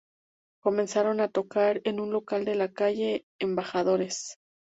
Comenzaron a tocar en un local de la calle de Embajadores.